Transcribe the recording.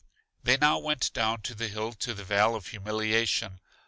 They now went down the hill to the Vale of Humiliation.